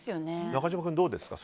中島さん、どうですか？